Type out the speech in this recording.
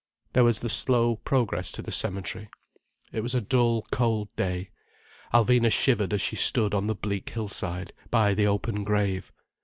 There was the slow progress to the cemetery. It was a dull, cold day. Alvina shivered as she stood on the bleak hillside, by the open grave.